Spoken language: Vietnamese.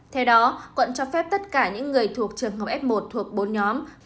theo đó quận cho phép tất cả những người thuộc trường hợp f một thuộc bốn nhóm